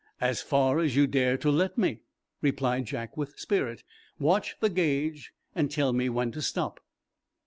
"As far as you dare to let me," replied Jack, with spirit. "Watch the gauge, and tell me when to stop."